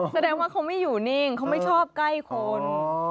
แสดงว่าเขาไม่อยู่นิ่งเขาไม่ชอบใกล้คน